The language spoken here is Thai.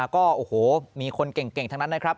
ก็โอ้โหมีคนเก่งทั้งนั้นนะครับ